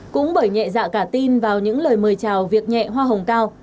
cũng bởi nhẹ dạ cả tin vào những lời mời chào việc nhẹ hoa hồng cao